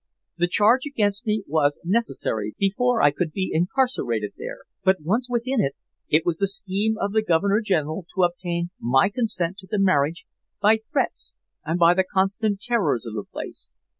The charge against me was necessary before I could be incarcerated there, but once within, it was the scheme of the Governor General to obtain my consent to the marriage by threats and by the constant terrors of the place.